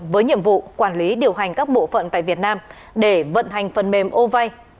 với nhiệm vụ quản lý điều hành các bộ phận tại việt nam để vận hành phần mềm o vay